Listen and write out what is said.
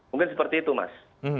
mungkin seperti itu mas